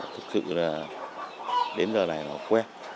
thực sự là đến giờ này nó quen